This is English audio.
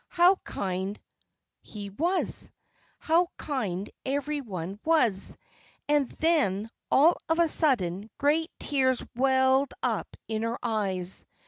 How kind he was! how kind every one was! And then, all of a sudden, great tears welled up in her eyes.